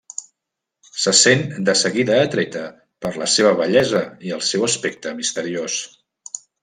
Se sent de seguida atreta per la seva bellesa i el seu aspecte misteriós.